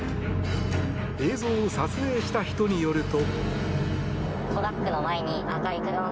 映像を撮影した人によると。